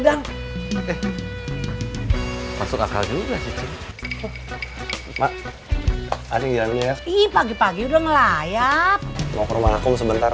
dong masuk akal juga sih mak pagi pagi udah ngelayap mau ke rumah aku sebentar